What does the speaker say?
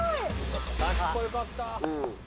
かっこよかった。